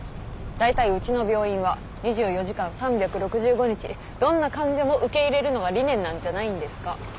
だいたいうちの病院は２４時間３６５日どんな患者も受け入れるのが理念なんじゃないんですか？